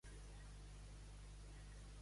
Moriwaki ha sortit ara al manga original.